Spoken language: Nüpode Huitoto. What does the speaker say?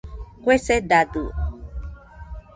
Kue sedadio.